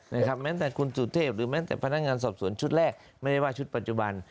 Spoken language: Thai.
แม้แต่คุณสุเทพหรือแม้แต่พนักงานสอบสวนชุดแรกไม่ได้ว่าชุดปัจจุบัน